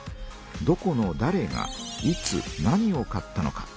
どこのだれがいつ何を買ったのか。